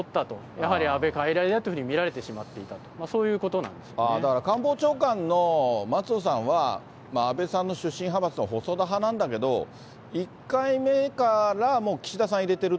やはり安倍かいらいだというふうに見られてしまっていたと、そうだから官房長官の松野さんは、安倍さんの出身派閥の細田派なんだけども、１回目からもう岸田さんに入れてる。